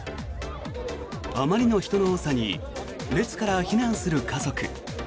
あまりの人の多さに列から避難する家族。